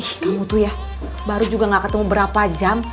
sh kamu tuh ya baru juga gak ketemu berapa jam